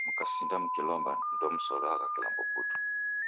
Mkasinda mkilola, ndemsow'agha kilambo putu